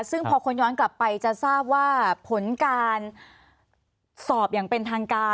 ซึ่งพอคนย้อนกลับไปจะทราบว่าผลการสอบอย่างเป็นทางการ